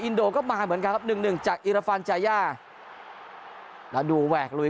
โดก็มาเหมือนกันครับหนึ่งหนึ่งจากอิรฟันจายาแล้วดูแหวกลุย